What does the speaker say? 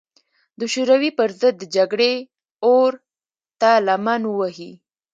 د شوروي پر ضد د جګړې اور ته لمن ووهي.